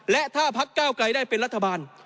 และถ้าพักเก้าไกลได้เป็นรัฐบาล